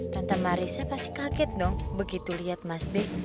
tante marissa pasti kaget dong begitu liat mas be